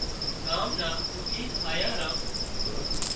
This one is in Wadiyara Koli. ڳام نان اُوٺينَ آيان ران